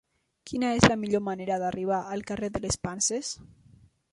Quina és la millor manera d'arribar al carrer de les Panses?